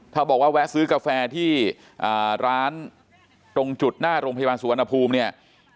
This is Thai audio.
ถ้าบอกว่าแวะซื้อกาแฟที่ร้านตรงจุดหน้าโรงพยาบาลสุวรรณภูมิเนี่ย